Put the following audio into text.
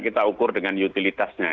kita ukur dengan utilitasnya